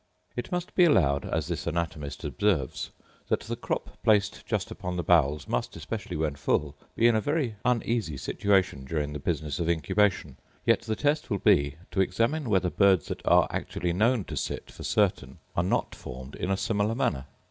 It must be allowed, as this anatomist observes, that the crop placed just upon the bowels must, especially when full, be in a very uneasy situation during the business of incubation; yet the test will be to examine whether birds that are actually known to sit for certain are not formed in a similar manner.